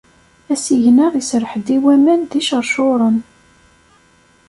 Asigna iserreḥ-d i waman d iceṛcuṛun.